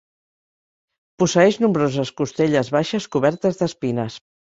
Posseeix nombroses costelles baixes cobertes d'espines.